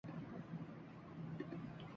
عائشہ خان کی رسم حنا اور نکاح کی تصاویر وائرل